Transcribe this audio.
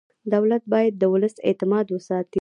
دولت باید د ولس اعتماد وساتي.